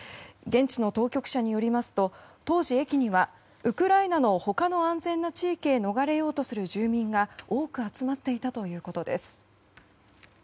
現地の当局者によりますと当時、駅にはウクライナの他の安全な地域へ逃れようとする住民が多く集まっていたということです。